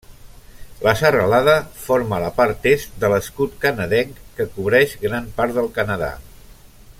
La serralada forma la part est de l'escut canadenc que cobreix gran part del Canadà.